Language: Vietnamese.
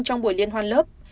trong buổi liên hoan lớp